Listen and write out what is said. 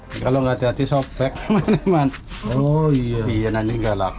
jika tidak akan terlihat terlihat terlihat terlihat terlihat